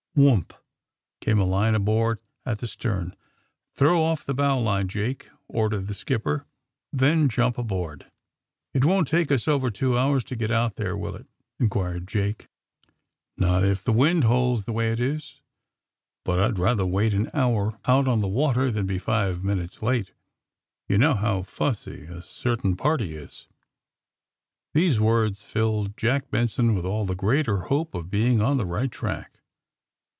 "Wbump ! came a line aboard, at tbe stern. '^ Tbrow off tbe bow line, Jake," ordered the skipper. '^Then jump aboard." 62 THE SUBMARINE BOYS *^It won't take us over two hours to get out tliere, will it T ' inquired Jake. *'Not if tlie wind holds the way it is. But I'd rather wait an honr, ont on the water, than be five minntes late. You know how fussy a cer tain party is." These words filled Jack Benson with all the greater hope of being on the right track.